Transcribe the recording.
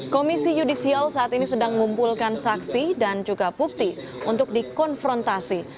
komisi yudisial saat ini sedang mengumpulkan saksi dan juga bukti untuk dikonfrontasi